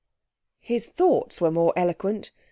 His thoughts were more eloquent.